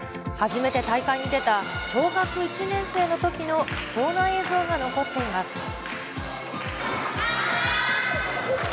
初めて大会に出た小学１年生のときの貴重な映像が残っています。